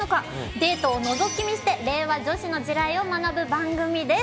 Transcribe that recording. デートをのぞき見して令和女子の地雷を学ぶ番組です